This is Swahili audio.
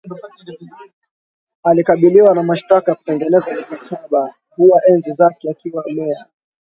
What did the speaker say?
akikabiliwa na mashtaka ya kutengeneza mikataba hewa enzi zake akiwa meya